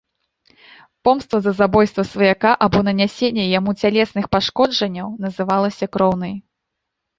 Помста за забойства сваяка або нанясенне яму цялесных пашкоджанняў называлася кроўнай.